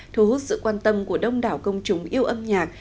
thu hút sự quan tâm của đông đảo công chúng yêu âm nhạc